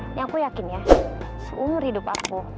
ini aku yakin ya seumur hidup aku